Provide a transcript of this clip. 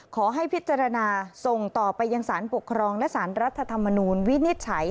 ขอให้พิจารณาส่งต่อไปยังสารปกครองและสารรัฐธรรมนูลวินิจฉัย